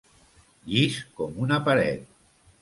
Llis com una paret.